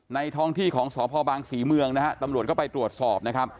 ในท้องที่ของสภศรีเมืองตำรวจก็ไปตรวจสอบ